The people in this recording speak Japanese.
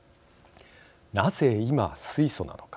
なぜ今水素なのか。